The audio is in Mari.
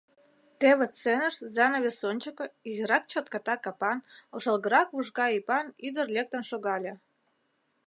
Теве сценыш, занавес ончыко, изирак чатката капан, ошалгырак вужга ӱпан ӱдыр лектын шогале.